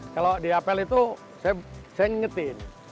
kalau di apel itu saya ngingetin